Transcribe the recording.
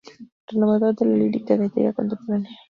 Renovador de la lírica gallega contemporánea.